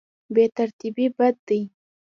بې ترتیبي بد دی.